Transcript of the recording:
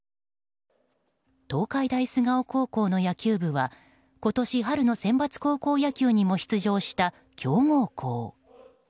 東海大菅生高校の野球部は今年春のセンバツ高校野球にも出場した強豪校。